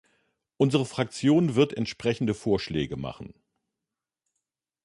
Unsere Fraktion wird entsprechende Vorschläge machen.